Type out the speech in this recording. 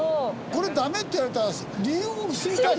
これダメって言われたら理由を知りたい。